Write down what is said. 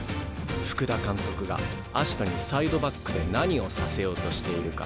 福田監督がアシトにサイドバックで何をさせようとしているか。